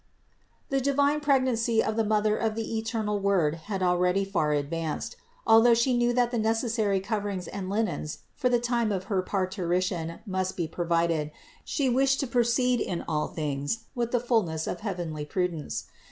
438. The divine pregnancy of the Mother of the eternal Word had already far advanced. Although She knew that the necessary coverings and linens for the time of her parturition must be provided, She wished to proceed in all things with the fullness of heavenly prudence.